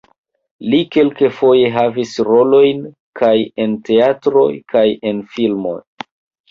Li kelkfoje havis rolojn kaj en teatroj, kaj en filmoj.